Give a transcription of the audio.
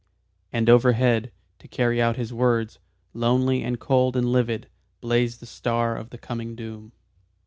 And overhead, to carry out his words, lonely and cold and livid, blazed the star of the coming doom.